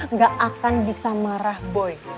nggak akan bisa marah boy